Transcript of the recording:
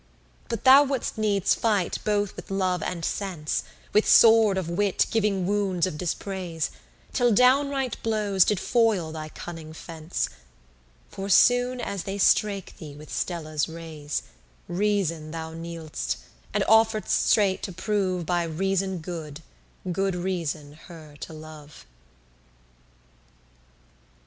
But thou wouldst needs fight both with love and sense, With sword of wit, giving wounds of dispraise, Till downright blows did foil thy cunning fence: For soon as they strake thee with Stella's rays, Reason thou kneel'dst, and offeredst straight to prove By reason good, good reason her to love.